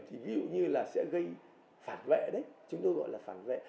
thì ví dụ như là sẽ gây phản vệ đấy chúng tôi gọi là phản vệ